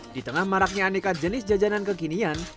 di tengah maraknya aneka jenis jajanan kekinian